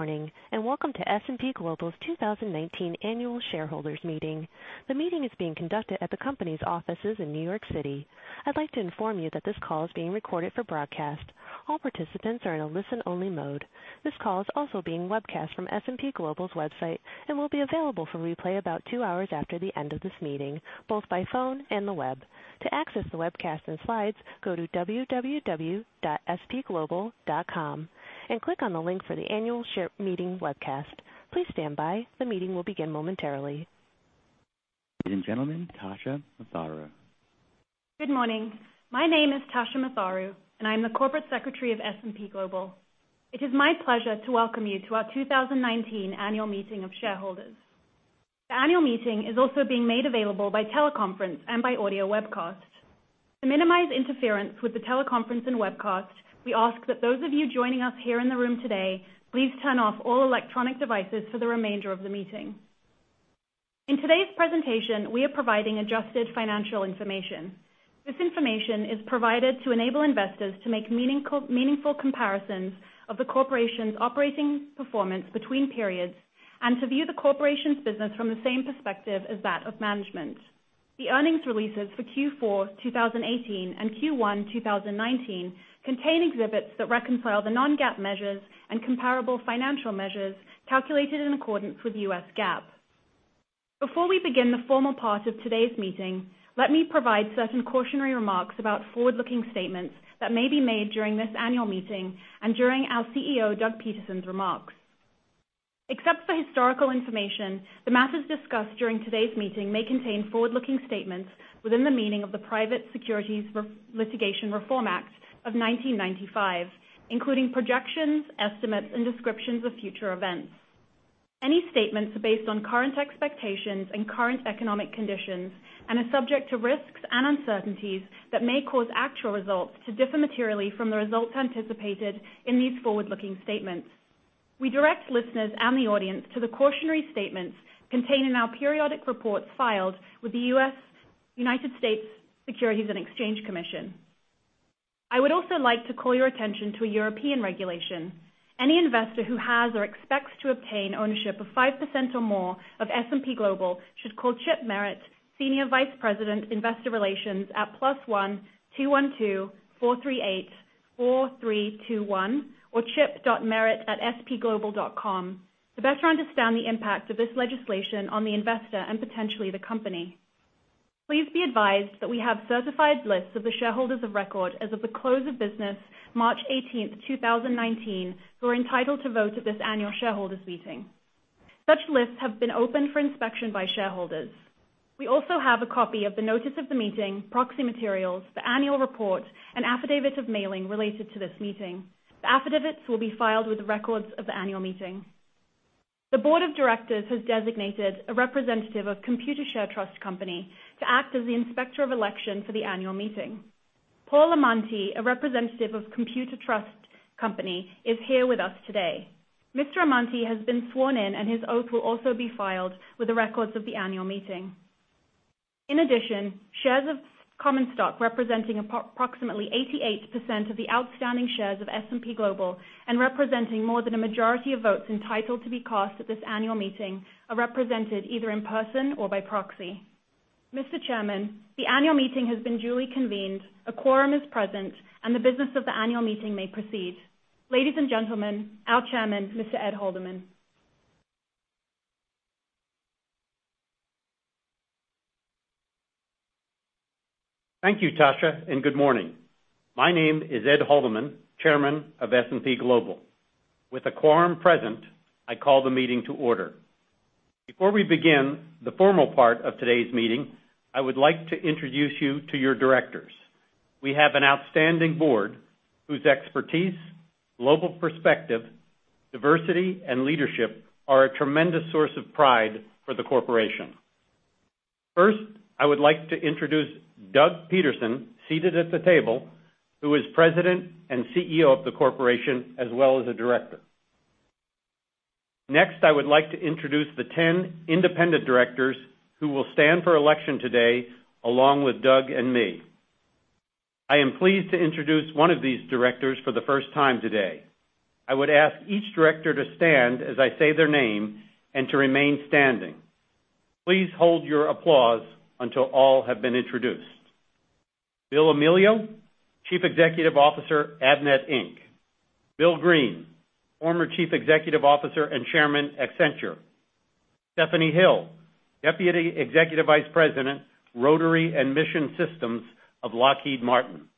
Morning, welcome to S&P Global's 2019 annual shareholders meeting. The meeting is being conducted at the company's offices in New York City. I'd like to inform you that this call is being recorded for broadcast. All participants are in a listen-only mode. This call is also being webcast from S&P Global's website and will be available for replay about two hours after the end of this meeting, both by phone and the web. To access the webcast and slides, go to www.spglobal.com and click on the link for the annual share meeting webcast. Please stand by. The meeting will begin momentarily. Ladies and gentlemen, Tasha Matharu. Good morning. My name is Tasha Matharu, and I'm the corporate secretary of S&P Global. It is my pleasure to welcome you to our 2019 annual meeting of shareholders. The annual meeting is also being made available by teleconference and by audio webcast. To minimize interference with the teleconference and webcast, we ask that those of you joining us here in the room today, please turn off all electronic devices for the remainder of the meeting. In today's presentation, we are providing adjusted financial information. This information is provided to enable investors to make meaningful comparisons of the corporation's operating performance between periods and to view the corporation's business from the same perspective as that of management. The earnings releases for Q4 2018 and Q1 2019 contain exhibits that reconcile the non-GAAP measures and comparable financial measures calculated in accordance with US GAAP. Before we begin the formal part of today's meeting, let me provide certain cautionary remarks about forward-looking statements that may be made during this annual meeting and during our CEO, Doug Peterson's remarks. Except for historical information, the matters discussed during today's meeting may contain forward-looking statements within the meaning of the Private Securities Litigation Reform Act of 1995, including projections, estimates, and descriptions of future events. Any statements based on current expectations and current economic conditions and are subject to risks and uncertainties that may cause actual results to differ materially from the results anticipated in these forward-looking statements. We direct listeners and the audience to the cautionary statements contained in our periodic reports filed with the United States Securities and Exchange Commission. I would also like to call your attention to a European regulation. Any investor who has or expects to obtain ownership of 5% or more of S&P Global should call Chip Merritt, Senior Vice President, Investor Relations at 1-212-438-4321 or chip.merritt@spglobal.com to better understand the impact of this legislation on the investor and potentially the company. Please be advised that we have certified lists of the shareholders of record as of the close of business March 18th, 2019, who are entitled to vote at this annual shareholders meeting. Such lists have been opened for inspection by shareholders. We also have a copy of the notice of the meeting, proxy materials, the annual report, and affidavit of mailing related to this meeting. The affidavits will be filed with the records of the annual meeting. The board of directors has designated a representative of Computershare Trust Company to act as the inspector of election for the annual meeting. Paul Amante, a representative of Computershare Trust Company, is here with us today. Mr. Amante has been sworn in, and his oath will also be filed with the records of the annual meeting. In addition, shares of common stock representing approximately 88% of the outstanding shares of S&P Global and representing more than a majority of votes entitled to be cast at this annual meeting are represented either in person or by proxy. Mr. Chairman, the annual meeting has been duly convened, a quorum is present, and the business of the annual meeting may proceed. Ladies and gentlemen, our chairman, Mr. Ed Haldeman. Thank you, Tasha, and good morning. My name is Ed Haldeman, chairman of S&P Global. With a quorum present, I call the meeting to order. Before we begin the formal part of today's meeting, I would like to introduce you to your directors. We have an outstanding board whose expertise, global perspective, diversity, and leadership are a tremendous source of pride for the corporation. First, I would like to introduce Doug Peterson, seated at the table, who is president and CEO of the corporation, as well as a director. Next, I would like to introduce the 10 independent directors who will stand for election today, along with Doug and me. I am pleased to introduce one of these directors for the first time today. I would ask each director to stand as I say their name and to remain standing. Please hold your applause until all have been introduced. Bill Emilio, Chief Executive Officer, Avnet, Inc. Bill Green, former Chief Executive Officer and Chairman, Accenture. Stephanie Hill, Deputy Executive Vice President, Rotary and Mission Systems of Lockheed Martin.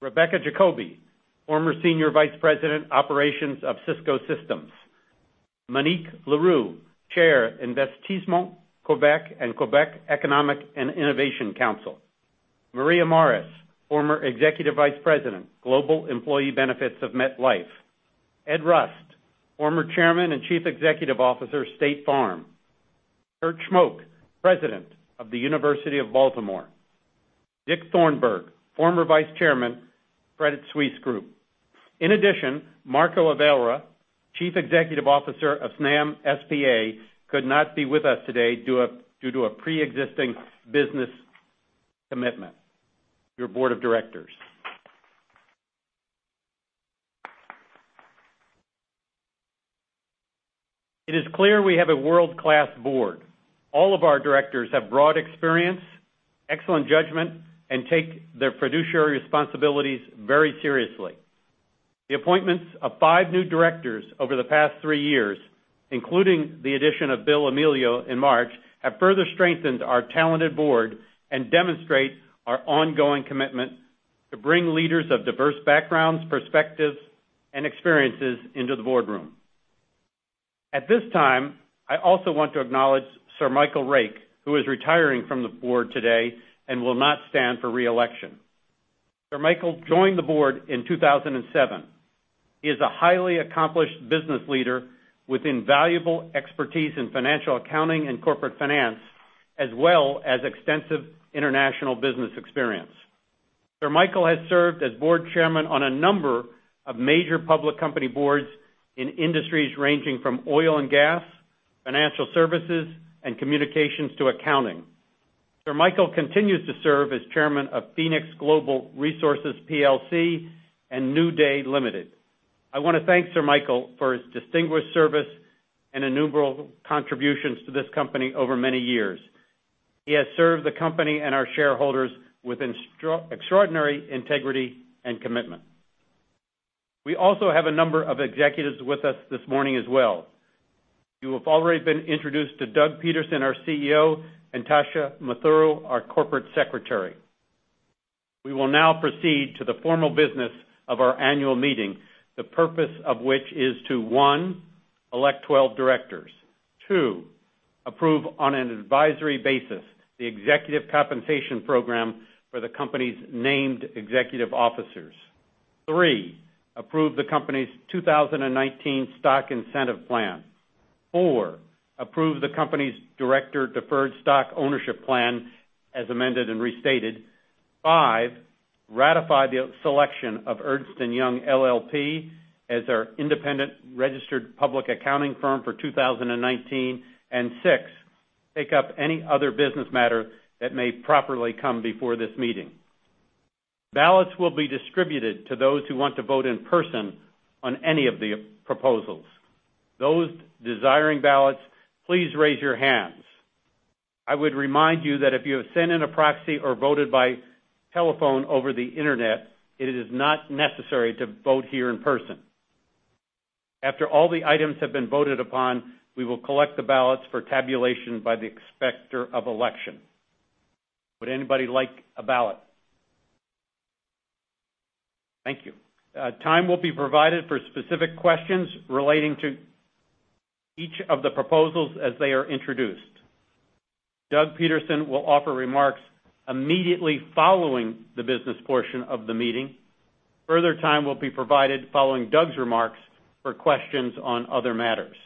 Rebecca Jacoby, former Senior Vice President, Operations of Cisco Systems. Monique Leroux, Chair, Investissement Québec and Québec Economic and Innovation Council. Maria Morris, former Executive Vice President, Global Employee Benefits of MetLife. Ed Rust, former Chairman and Chief Executive Officer, State Farm. Kurt Schmoke, President of the University of Baltimore. Dick Thornburgh, former Vice Chairman, Credit Suisse Group. In addition, Marco Alverà, Chief Executive Officer of Snam S.p.A., could not be with us today due to a preexisting business commitment. Your board of directors. It is clear we have a world-class board. All of our directors have broad experience, excellent judgment, and take their fiduciary responsibilities very seriously. The appointments of five new directors over the past three years, including the addition of Bill Amelio in March, have further strengthened our talented board and demonstrate our ongoing commitment to bring leaders of diverse backgrounds, perspectives, and experiences into the boardroom. At this time, I also want to acknowledge Sir Michael Rake, who is retiring from the board today and will not stand for re-election. Sir Michael joined the board in 2007. He is a highly accomplished business leader with invaluable expertise in financial accounting and corporate finance, as well as extensive international business experience. Sir Michael has served as board chairman on a number of major public company boards in industries ranging from oil and gas, financial services, and communications to accounting. Sir Michael continues to serve as chairman of Phoenix Global Resources plc and NewDay Limited. I want to thank Sir Michael for his distinguished service and innumerable contributions to this company over many years. He has served the company and our shareholders with extraordinary integrity and commitment. We also have a number of executives with us this morning as well. You have already been introduced to Doug Peterson, our CEO, and Tasha Matharu, our corporate secretary. We will now proceed to the formal business of our annual meeting, the purpose of which is to, one, elect 12 directors. Two, approve on an advisory basis the executive compensation program for the company's named executive officers. Three, approve the company's 2019 stock incentive plan. Four, approve the company's director deferred stock ownership plan as amended and restated. Five, ratify the selection of Ernst & Young LLP as our independent registered public accounting firm for 2019. Six, take up any other business matter that may properly come before this meeting. Ballots will be distributed to those who want to vote in person on any of the proposals. Those desiring ballots, please raise your hands. I would remind you that if you have sent in a proxy or voted by telephone over the Internet, it is not necessary to vote here in person. After all the items have been voted upon, we will collect the ballots for tabulation by the inspector of election. Would anybody like a ballot? Thank you. Time will be provided for specific questions relating to each of the proposals as they are introduced. Doug Peterson will offer remarks immediately following the business portion of the meeting. Further time will be provided following Doug's remarks for questions on other matters.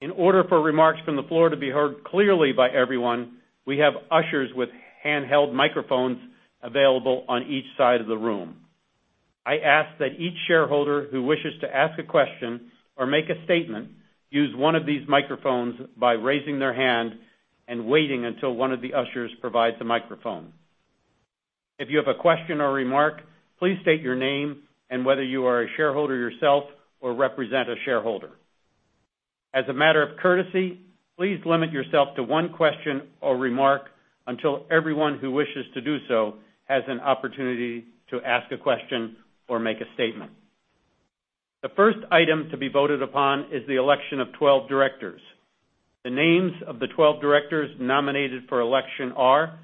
In order for remarks from the floor to be heard clearly by everyone, we have ushers with handheld microphones available on each side of the room. I ask that each shareholder who wishes to ask a question or make a statement use one of these microphones by raising their hand and waiting until one of the ushers provides the microphone. If you have a question or remark, please state your name and whether you are a shareholder yourself or represent a shareholder. As a matter of courtesy, please limit yourself to one question or remark until everyone who wishes to do so has an opportunity to ask a question or make a statement. The first item to be voted upon is the election of 12 directors. The names of the 12 directors nominated for election are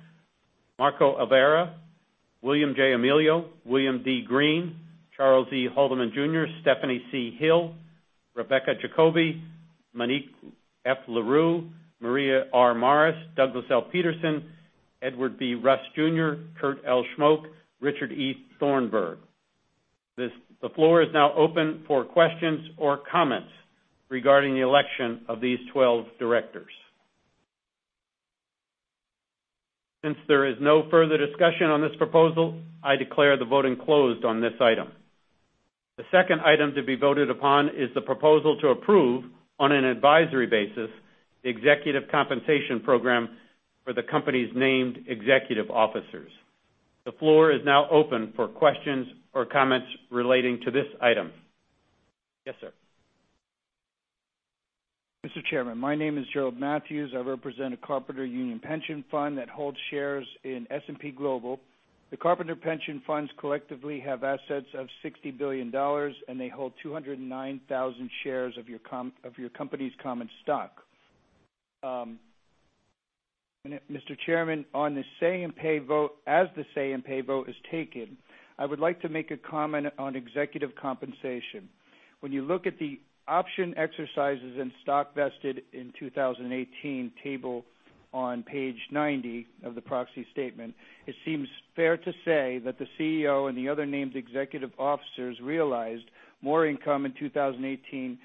Marco Alverà, William J. Amelio, William D. Green, Charles E. Haldeman Jr., Stephanie C. Hill, Rebecca Jacoby, Monique F. Leroux, Maria R. Morris, Douglas L. Peterson, Edward B. Rust Jr., Kurt L. Schmoke, Richard E. Thornburgh. The floor is now open for questions or comments regarding the election of these 12 directors. Since there is no further discussion on this proposal, I declare the voting closed on this item. The second item to be voted upon is the proposal to approve, on an advisory basis, the executive compensation program for the company's named executive officers. The floor is now open for questions or comments relating to this item. Yes, sir. Mr. Chairman, my name is Gerry Matthews. I represent a carpenter union pension fund that holds shares in S&P Global. The carpenter pension funds collectively have assets of $60 billion, and they hold 209,000 shares of your company's common stock. Mr. Chairman, on the say and pay vote, as the say and pay vote is taken, I would like to make a comment on executive compensation. When you look at the option exercises and stock vested in 2018 table on page 90 of the proxy statement, it seems fair to say that the CEO and the other named executive officers realized more income in 2018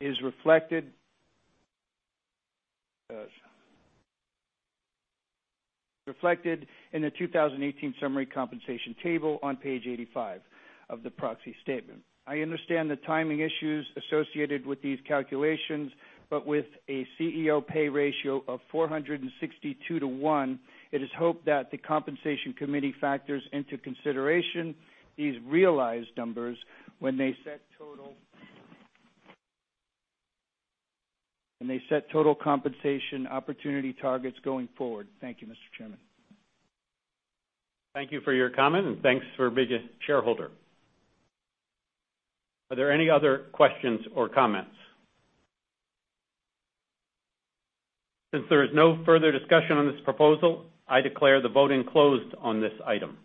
is reflected in the 2018 summary compensation table on page 85 of the proxy statement. I understand the timing issues associated with these calculations, but with a CEO pay ratio of 462 to 1, it is hoped that the compensation committee factors into consideration these realized numbers when they set total compensation opportunity targets going forward. Thank you, Mr. Chairman. Thank you for your comment, and thanks for being a shareholder. Are there any other questions or comments? Since there is no further discussion on this proposal, I declare the voting closed on this item.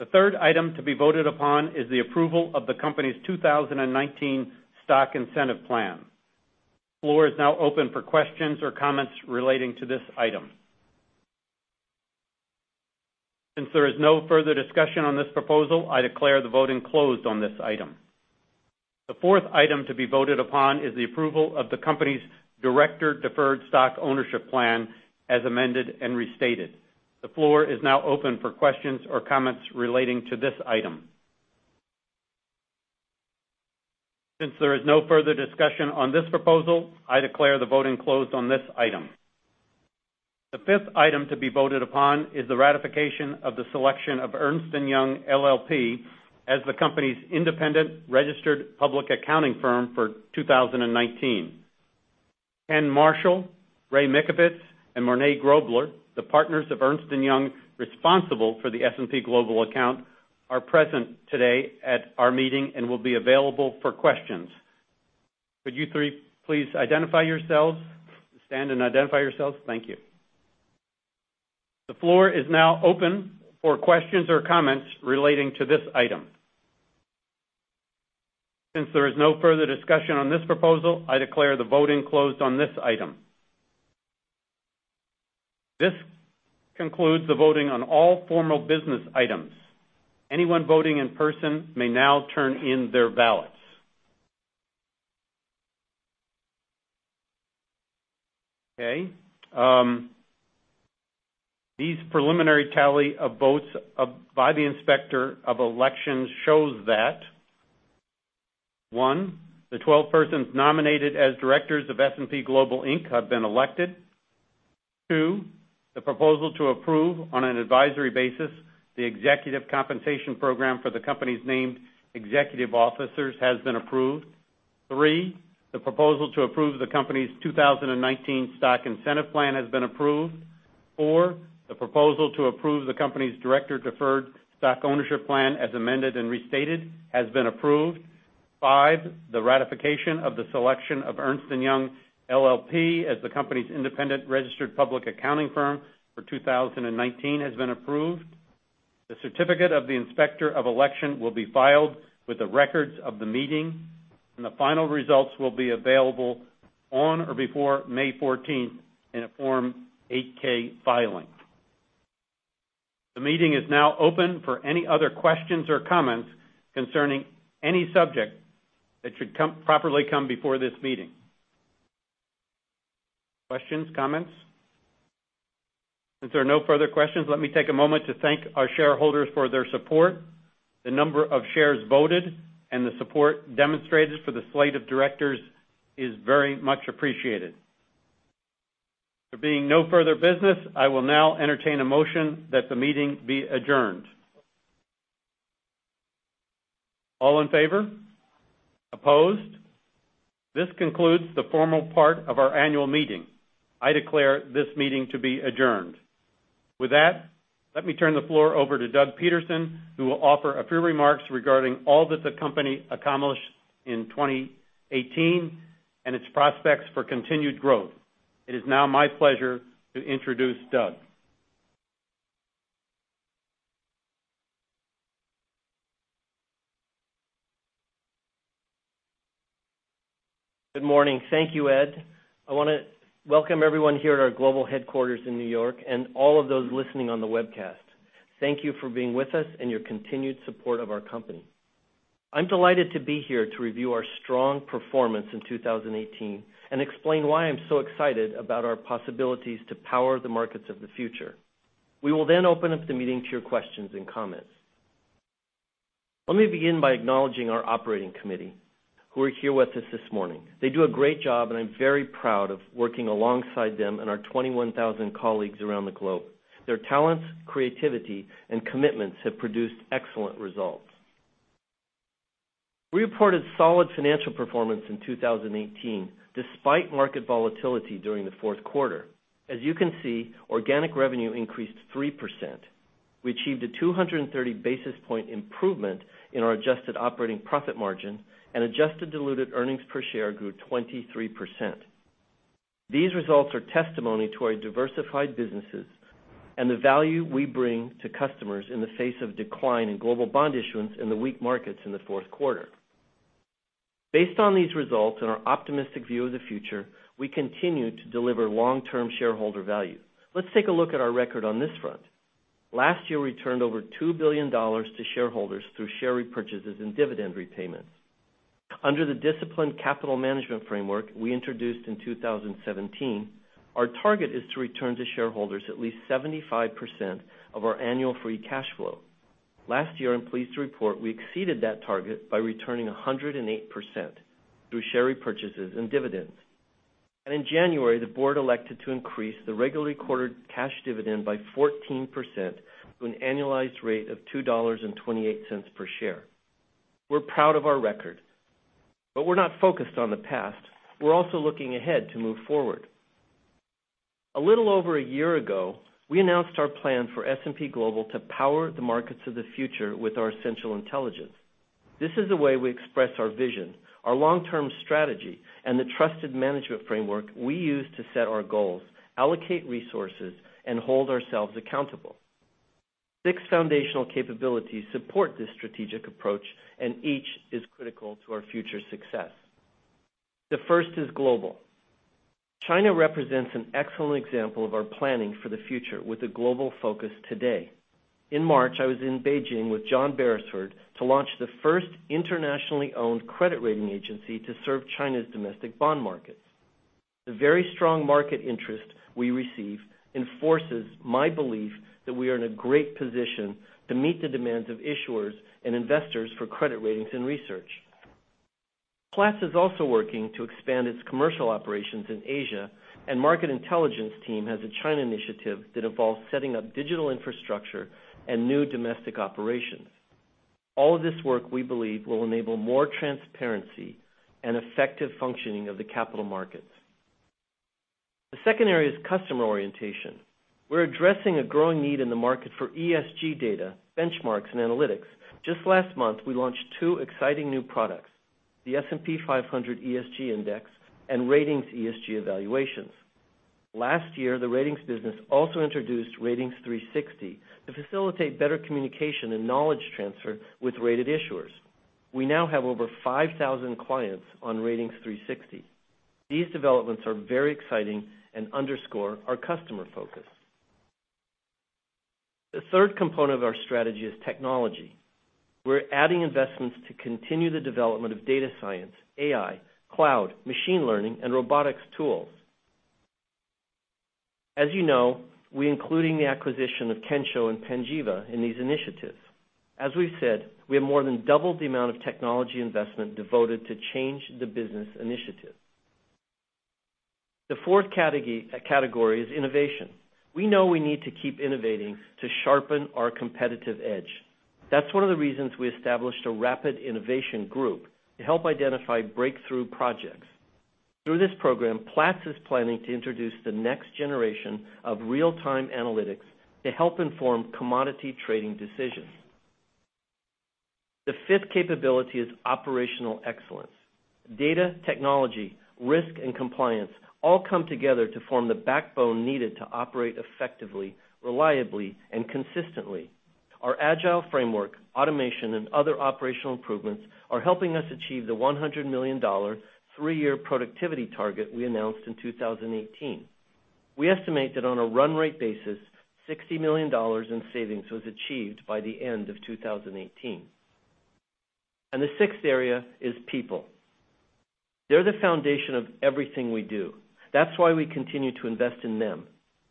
The third item to be voted upon is the approval of the company's 2019 stock incentive plan. Floor is now open for questions or comments relating to this item. Since there is no further discussion on this proposal, I declare the voting closed on this item. The fourth item to be voted upon is the approval of the company's director deferred stock ownership plan, as amended and restated. The floor is now open for questions or comments relating to this item. Since there is no further discussion on this proposal, I declare the voting closed on this item. The fifth item to be voted upon is the ratification of the selection of Ernst & Young LLP as the company's independent registered public accounting firm for 2019. Ken Marshall, Ray Mikovits, and Marna Ricker, the partners of Ernst & Young responsible for the S&P Global account, are present today at our meeting and will be available for questions. Could you three please stand and identify yourselves? Thank you. The floor is now open for questions or comments relating to this item. There is no further discussion on this proposal, I declare the voting closed on this item. This concludes the voting on all formal business items. Anyone voting in person may now turn in their ballots. Okay. The preliminary tally of votes by the inspector of elections shows that, one, the 12 persons nominated as directors of S&P Global Inc. have been elected. Two, the proposal to approve on an advisory basis the executive compensation program for the company's named executive officers has been approved. Three, the proposal to approve the company's 2019 stock incentive plan has been approved. Four, the proposal to approve the company's director deferred stock ownership plan as amended and restated has been approved. Five, the ratification of the selection of Ernst & Young LLP as the company's independent registered public accounting firm for 2019 has been approved. The certificate of the inspector of election will be filed with the records of the meeting, and the final results will be available on or before May 14th in a Form 8-K filing. The meeting is now open for any other questions or comments concerning any subject that should properly come before this meeting. Questions, comments? There are no further questions, let me take a moment to thank our shareholders for their support. The number of shares voted and the support demonstrated for the slate of directors is very much appreciated. There being no further business, I will now entertain a motion that the meeting be adjourned. All in favor? Opposed? This concludes the formal part of our annual meeting. I declare this meeting to be adjourned. With that, let me turn the floor over to Doug Peterson, who will offer a few remarks regarding all that the company accomplished in 2018 and its prospects for continued growth. It is now my pleasure to introduce Doug. Good morning. Thank you, Ed. I want to welcome everyone here at our global headquarters in New York and all of those listening on the webcast. Thank you for being with us and your continued support of our company. I'm delighted to be here to review our strong performance in 2018 and explain why I'm so excited about our possibilities to power the markets of the future. We will then open up the meeting to your questions and comments. Let me begin by acknowledging our operating committee, who are here with us this morning. They do a great job, and I'm very proud of working alongside them and our 21,000 colleagues around the globe. Their talents, creativity, and commitments have produced excellent results. We reported solid financial performance in 2018, despite market volatility during the fourth quarter. As you can see, organic revenue increased 3%. We achieved a 230-basis point improvement in our adjusted operating profit margin, and adjusted diluted earnings per share grew 23%. These results are testimony to our diversified businesses and the value we bring to customers in the face of decline in global bond issuance in the weak markets in the fourth quarter. Based on these results and our optimistic view of the future, we continue to deliver long-term shareholder value. Let's take a look at our record on this front. Last year, we returned over $2 billion to shareholders through share repurchases and dividend repayments. Under the disciplined capital management framework we introduced in 2017, our target is to return to shareholders at least 75% of our annual free cash flow. Last year, I'm pleased to report we exceeded that target by returning 108% through share repurchases and dividends. In January, the board elected to increase the regularly recorded cash dividend by 14% to an annualized rate of $2.28 per share. We're proud of our record, but we're not focused on the past. We're also looking ahead to move forward. A little over a year ago, we announced our plan for S&P Global to power the markets of the future with our essential intelligence. This is the way we express our vision, our long-term strategy, and the trusted management framework we use to set our goals, allocate resources, and hold ourselves accountable. Six foundational capabilities support this strategic approach, and each is critical to our future success. The first is global. China represents an excellent example of our planning for the future with a global focus today. In March, I was in Beijing with John Berisford to launch the first internationally-owned credit rating agency to serve China's domestic bond markets. The very strong market interest we receive enforces my belief that we are in a great position to meet the demands of issuers and investors for credit ratings and research. Platts is also working to expand its commercial operations in Asia, and market intelligence team has a China initiative that involves setting up digital infrastructure and new domestic operations. All of this work, we believe, will enable more transparency and effective functioning of the capital markets. The second area is customer orientation. We're addressing a growing need in the market for ESG data, benchmarks, and analytics. Just last month, we launched two exciting new products, the S&P 500 ESG Index and Ratings ESG Evaluations. Last year, the Ratings business also introduced Ratings360 to facilitate better communication and knowledge transfer with rated issuers. We now have over 5,000 clients on Ratings360. These developments are very exciting and underscore our customer focus. The third component of our strategy is technology. We're adding investments to continue the development of data science, AI, cloud, machine learning, and robotics tools. As you know, we included the acquisition of Kensho and Panjiva in these initiatives. As we've said, we have more than doubled the amount of technology investment devoted to change the business initiative. The fourth category is innovation. We know we need to keep innovating to sharpen our competitive edge. That's one of the reasons we established a Rapid Innovation Group to help identify breakthrough projects. Through this program, Platts is planning to introduce the next generation of real-time analytics to help inform commodity trading decisions. The fifth capability is operational excellence. Data, technology, risk, and compliance all come together to form the backbone needed to operate effectively, reliably, and consistently. Our agile framework, automation, and other operational improvements are helping us achieve the $100 million three-year productivity target we announced in 2018. We estimate that on a run rate basis, $60 million in savings was achieved by the end of 2018. The sixth area is people. They're the foundation of everything we do. That's why we continue to invest in them.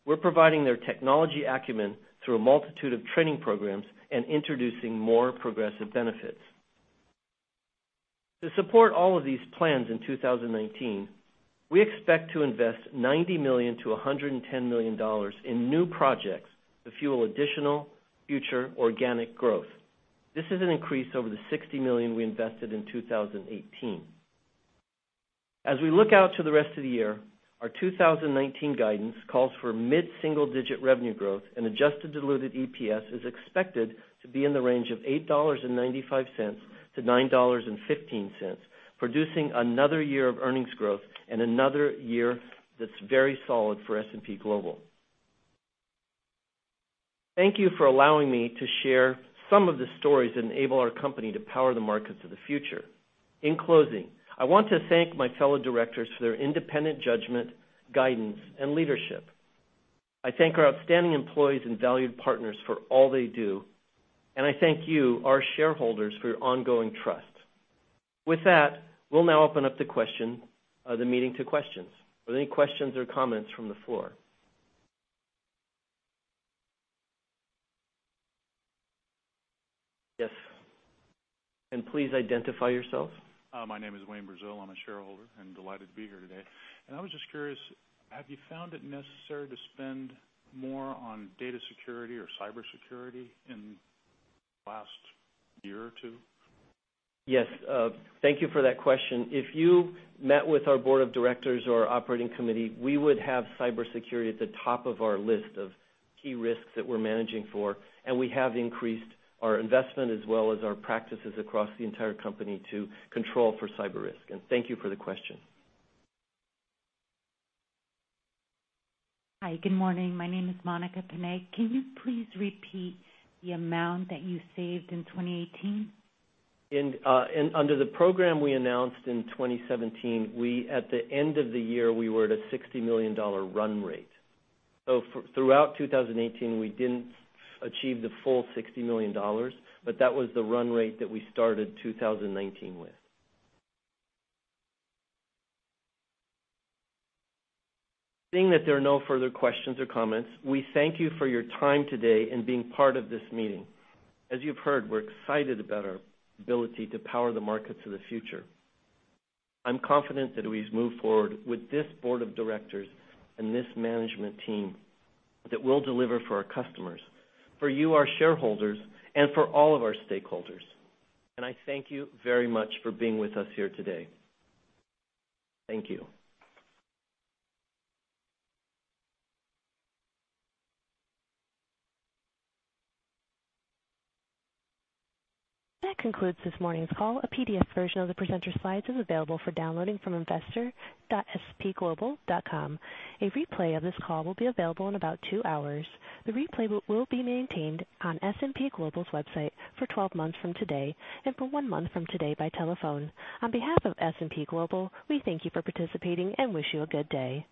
We're providing their technology acumen through a multitude of training programs and introducing more progressive benefits. To support all of these plans in 2019, we expect to invest $90 million-$110 million in new projects to fuel additional future organic growth. This is an increase over the $60 million we invested in 2018. As we look out to the rest of the year, our 2019 guidance calls for mid-single digit revenue growth and adjusted diluted EPS is expected to be in the range of $8.95-$9.15, producing another year of earnings growth and another year that's very solid for S&P Global. Thank you for allowing me to share some of the stories that enable our company to power the markets of the future. In closing, I want to thank my fellow directors for their independent judgment, guidance, and leadership. I thank our outstanding employees and valued partners for all they do, and I thank you, our shareholders, for your ongoing trust. With that, we'll now open up the meeting to questions. Are there any questions or comments from the floor? Yes. Please identify yourself. My name is Wayne Brazil. I'm a shareholder and delighted to be here today. I was just curious, have you found it necessary to spend more on data security or cybersecurity in the last year or two? Yes. Thank you for that question. If you met with our board of directors or operating committee, we would have cybersecurity at the top of our list of key risks that we're managing for, and we have increased our investment as well as our practices across the entire company to control for cyber risk. Thank you for the question. Hi. Good morning. My name is Monica Panet. Can you please repeat the amount that you saved in 2018? Under the program we announced in 2017, at the end of the year, we were at a $60 million run rate. Throughout 2018, we didn't achieve the full $60 million, but that was the run rate that we started 2019 with. Seeing that there are no further questions or comments, we thank you for your time today and being part of this meeting. As you've heard, we're excited about our ability to power the markets of the future. I'm confident that we've moved forward with this board of directors and this management team that will deliver for our customers, for you, our shareholders, and for all of our stakeholders. I thank you very much for being with us here today. Thank you. That concludes this morning's call. A PDF version of the presenter slides is available for downloading from investor.spglobal.com. A replay of this call will be available in about two hours. The replay will be maintained on S&P Global's website for 12 months from today and for one month from today by telephone. On behalf of S&P Global, we thank you for participating and wish you a good day.